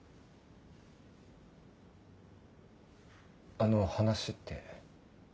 あの話って。